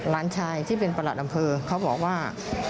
หลานชายที่เป็นประหลัดอำเภอเขาบอกว่า